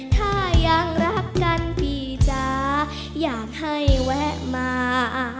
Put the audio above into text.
ถ้ายังรักกันพี่จ๋าอยากให้แวะมา